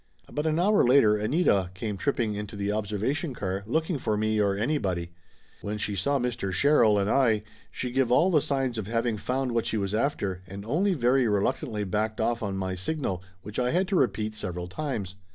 About an hour later Anita came tripping into the observation car, looking for me or anybody. When she saw Mr. Sherrill and I, she give all the signs of having found what she was after, and only very reluctantly backed off on my signal, which I had to repeat several times.